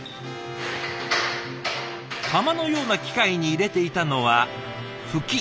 かまのような機械に入れていたのはフキ。